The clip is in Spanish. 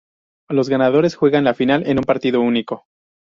Los ganadores juegan la final en un partido único.